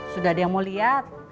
sudah ada yang mau lihat